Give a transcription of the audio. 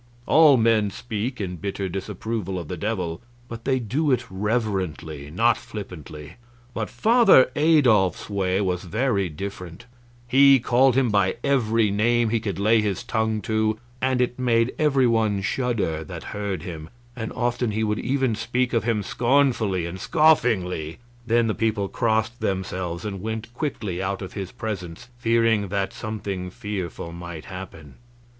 All men speak in bitter disapproval of the Devil, but they do it reverently, not flippantly; but Father Adolf's way was very different; he called him by every name he could lay his tongue to, and it made everyone shudder that heard him; and often he would even speak of him scornfully and scoffingly; then the people crossed themselves and went quickly out of his presence, fearing that something fearful might happen.